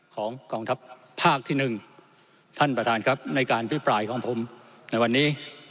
ของกองทัพภาคที่หนึ่งท่านประธานครับในการพิปรายของผมในวันนี้